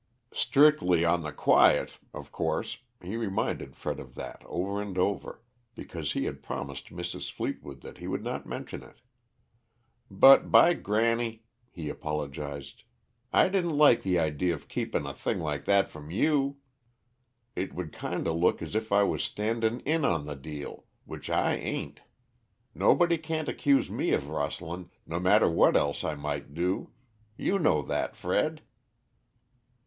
"Strictly on the quiet," of course he reminded Fred of that, over and over, because he had promised Mrs. Fleetwood that he would not mention it. "But, by granny," he apologized, "I didn't like the idee of keepin' a thing like that from you; it would kinda look as if I was standin' in on the deal, which I ain't. Nobody can't accuse me of rustlin', no matter what else I might do; you know that, Fred."